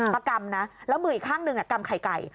กำนะแล้วมืออีกข้างหนึ่งกำไข่ไก่